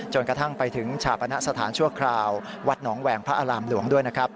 กระทั่งไปถึงชาปณะสถานชั่วคราววัดหนองแหวงพระอารามหลวงด้วยนะครับ